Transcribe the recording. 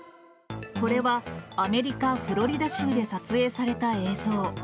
これはアメリカ・フロリダ州で撮影された映像。